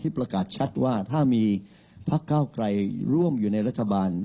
ประกาศชัดว่าถ้ามีพักเก้าไกลร่วมอยู่ในรัฐบาล